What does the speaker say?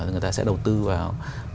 người ta sẽ đầu tư vào